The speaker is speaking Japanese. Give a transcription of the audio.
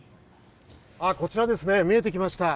こちらですね見えてきました。